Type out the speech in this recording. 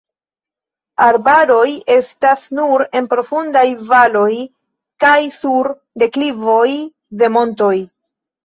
Arbaroj estas nur en profundaj valoj kaj sur deklivoj de montoj.